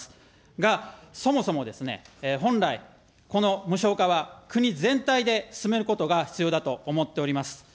が、そもそもですね、本来、この無償化は、国全体で進めることが必要だと思っております。